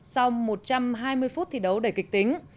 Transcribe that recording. sau một trăm hai mươi phút thi đấu đầy kịch tính